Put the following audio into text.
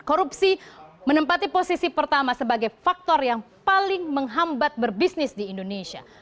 korupsi menempati posisi pertama sebagai faktor yang paling menghambat berbisnis di indonesia